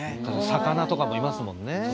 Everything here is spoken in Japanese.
魚とかもいますもんね。